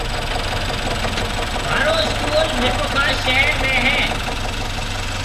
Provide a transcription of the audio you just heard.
مهارو اسڪول ميرپورخاص شهر ۾ هيَ۔